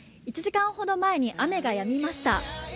１時間ほど前に雨がやみました。